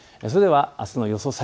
それではあすの予想